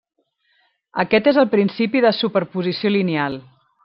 Aquest és el principi de superposició lineal.